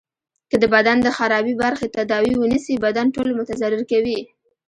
که د بدن د خرابي برخی تداوي ونه سي بدن ټول متضرر کوي.